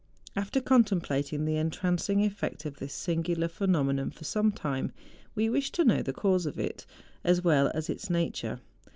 After contemplating the entrancing effect of this singular phenomenon for some time, we wished to know the cause of it, as well as its nature.